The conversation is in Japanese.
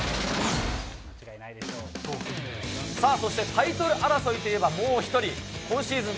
さあ、そしてタイトル争いといえば、もう１人、今シーズン